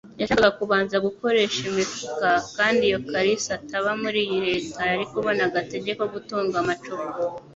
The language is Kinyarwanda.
Yashakaga kubanza gukoresha imifuka, kandi iyo Kalisa ataba muri iyi leta, yari kubona agatege ko gutunga amacupa